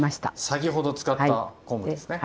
先ほど使った昆布ですね。